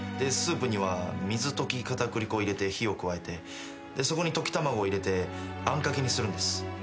スープには水溶き片栗粉を入れて火を加えてそこに溶き卵を入れてあんかけにするんです。